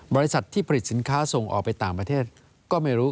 บริษัทที่ผลิตสินค้าส่งออกไปต่างประเทศก็ไม่รู้